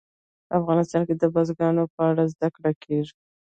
افغانستان کې د بزګان په اړه زده کړه کېږي.